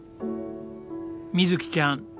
みずきちゃん